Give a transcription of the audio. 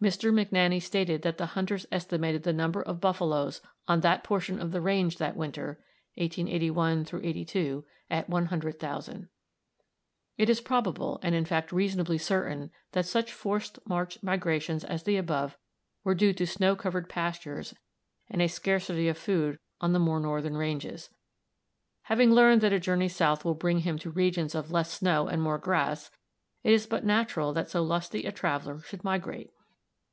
Mr. McNaney stated that the hunters estimated the number of buffaloes on that portion of the range that winter (1881 '82) at 100,000. It is probable, and in fact reasonably certain, that such forced march migrations as the above were due to snow covered pastures and a scarcity of food on the more northern ranges. Having learned that a journey south will bring him to regions of less snow and more grass, it is but natural that so lusty a traveler should migrate.